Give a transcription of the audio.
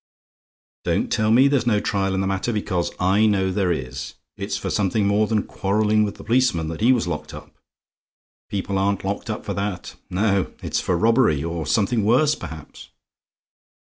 Don't tell me there's no trial in the matter, because I know there is; it's for something more than quarrelling with the policeman that he was locked up. People aren't locked up for that. No, it's for robbery, or something worse, perhaps.